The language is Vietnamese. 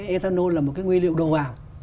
ethanol là một cái nguyên liệu đồ vào